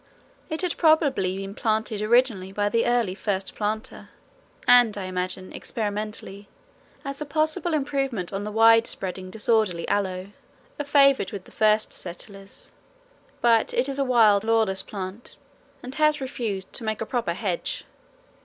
It had probably been planted originally by the early first planter, and, I imagine, experimentally, as a possible improvement on the wide spreading disorderly aloe, a favourite with the first settlers; but it is a wild lawless plant and had refused to make a proper hedge.